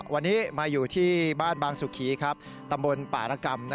วันนี้มาอยู่ที่บ้านบางสุขีตำบลป่ารกรรม